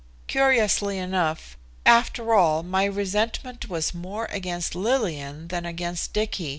Curiously enough, after all, my resentment was more against Lillian than against Dicky.